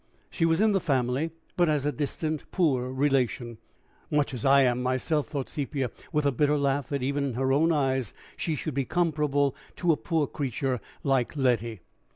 She was in the family but as a distant poor relation "Much as I am myself!" thought Sepia, with a bitter laugh that even in her own eyes she should be comparable to a poor creature like Letty.